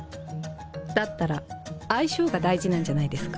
だったら相性が大事なんじゃないですか？